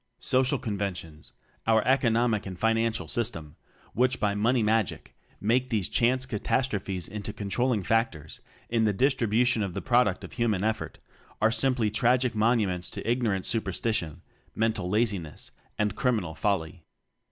Social conventions our Economic and Financial system which by "money magic" make these "chance" catastrophes into controlling factors in the distribution of the product of human effort, are simply tragic monuments to ignorant superstition, mental laziness, and criminal folly.